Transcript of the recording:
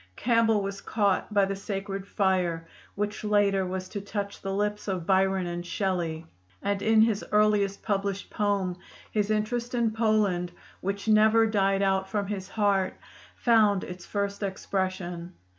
Campbell was caught by the sacred fire which later was to touch the lips of Byron and Shelley; and in his earliest published poem his interest in Poland, which never died out from his heart, found its first expression.